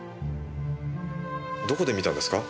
どこで見たんですか？